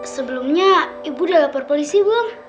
sebelumnya ibu udah lapor polisi belum